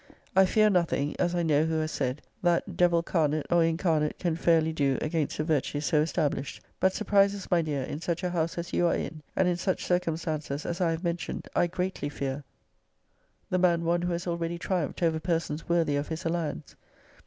I fear nothing (as I know who has said) that devil carnate or incarnate can fairly do against a >>> virtue so established.* But surprizes, my dear, in such a house as you are in, and in such circum stances as I have mentioned, I greatly fear! the >>> man one who has already triumphed over persons worthy of his alliance.